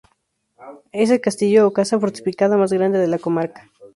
Es el castillo o casa fortificada más grande de la comarca.